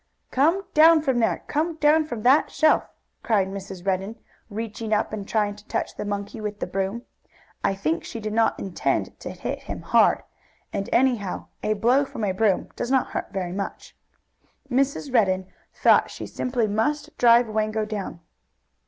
"Come down from there! Come down from that shelf!" cried Mrs. Redden, reaching up and trying to touch the monkey with the broom. I think she did not intend to hit him hard, and, anyhow, a blow from a broom does not hurt very much. Mrs. Redden thought she simply must drive Wango down.